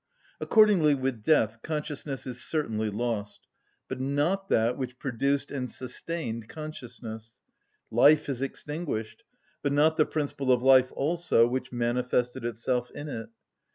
Accordingly with death consciousness is certainly lost, but not that which produced and sustained consciousness; life is extinguished, but not the principle of life also, which manifested itself in it.